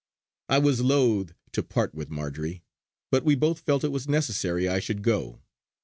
I was loth to part with Marjory, but we both felt it was necessary I should go.